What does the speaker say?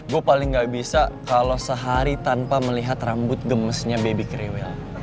gue paling gak bisa kalau sehari tanpa melihat rambut gemesnya baby kriwil